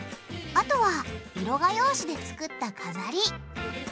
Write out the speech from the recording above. あとは色画用紙で作った飾り。